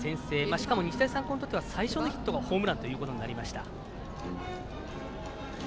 しかも日大三高は最初のヒットがホームランとなりました。